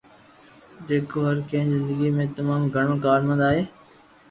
جيڪو هر ڪنهن جي زندگي ۾ تمام گهڻو ڪارآمد آهي